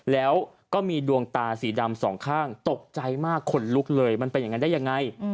แล้วก็มีดวงตาสีดำสองข้างตกใจมากขนลุกเลยมันเป็นอย่างนั้นได้ยังไง